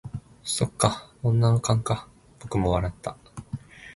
「そっか、女の勘か」僕も笑った。